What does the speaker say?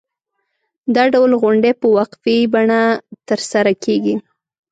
دا ډول غونډې په وقفې بڼه ترسره کېږي.